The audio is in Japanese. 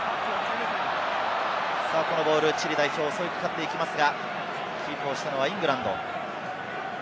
このボール、チリ代表が襲いかかっていきますが、キープをしたのはイングランド。